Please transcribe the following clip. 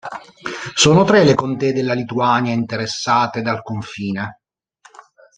Sono tre le contee della Lituania interessate dal confine.